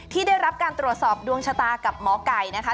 ที่ได้รับการตรวจสอบดวงชะตากับหมอไก่นะคะ